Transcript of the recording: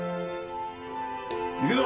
行くぞ！